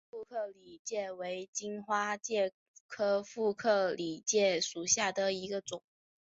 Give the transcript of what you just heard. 乔玄副克里介为荆花介科副克里介属下的一个种。